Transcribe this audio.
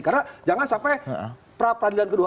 karena jangan sampai perapradilan kedua